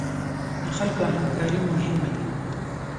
د خلکو همکاري مهمه ده